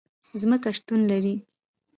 ځمکه شتون لري